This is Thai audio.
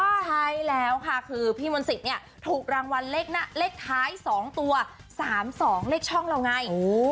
ใช่แล้วค่ะคือผีมลสิทธิ์ถูกรางวัลเลขหน้าเลขท้าย๒ตัว๓๒เลขช่องแล้วไง